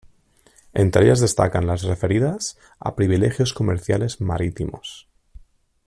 Entre ellas destacan las referidas a privilegios comerciales marítimos.